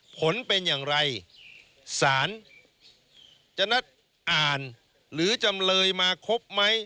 ผลเป็นอย่างไรสารจะนัดอ่านหรือจำเลยมาครบไหม